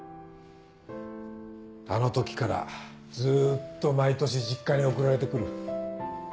あの時からずっと毎年実家に送られてくる。